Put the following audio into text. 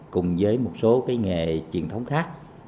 cùng với một số cái nghề truyền thống khác